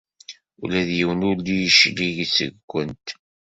Ula d yiwen ur d-yeclig seg-went.